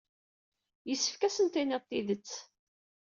Yessefk ad asent-tinid tidet.